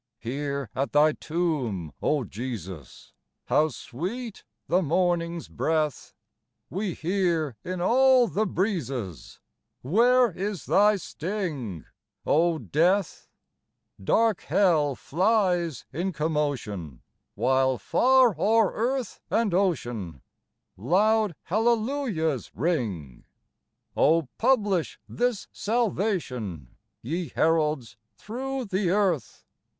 Here at Thy tomb, O Jesus ! How sweet the morning's breath ! We hear in all the breezes, — Where is thy sting, O Death ? Dark hell flies in commotion ; While, far o'er earth and ocean, Loud hallelujahs ring! Oh, publish this salvation, Ye heralds, through the earth